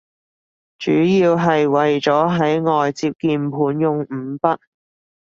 主要係為咗喺外接鍵盤用五筆